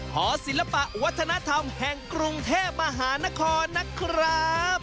หอศิลปะวัฒนธรรมแห่งกรุงเทพมหานครนะครับ